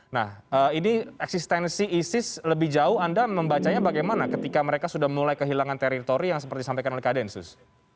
nah ini eksistensi isis lebih jauh anda membacanya bagaimana ketika mereka sudah mulai kehilangan teritori yang seperti disampaikan oleh kak densus